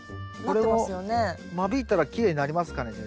これも間引いたらきれいになりますかね？